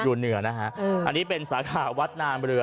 อยู่เหนือนะฮะอันนี้เป็นสาขาวัดนามเรือ